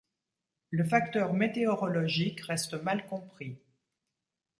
Le facteur météorologique reste mal compris.